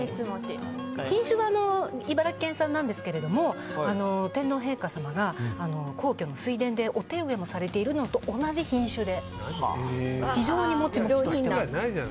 品種は茨城県産なんですけども天皇陛下さまが皇居の水田でお手植えもされているのと同じ品種で非常にモチモチしています。